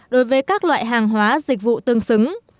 đối với các loại hàng hóa dịch vụ tương xứng